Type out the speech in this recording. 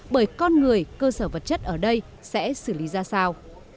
bởi con người cơ sở vật chất ở đây sẽ xử lý ra sao